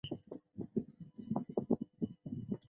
继位的莫元清逃往中国避难。